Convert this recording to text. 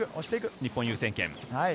日本、優先権。